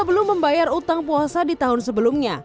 sebelum membayar utang puasa di tahun sebelumnya